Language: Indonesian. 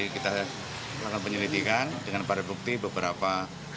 kita lakukan penyelidikan dengan para bukti beberapa